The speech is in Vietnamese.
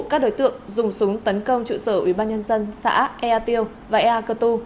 các đối tượng dùng súng tấn công trụ sở ubnd xã ea tiêu và ea cơ tu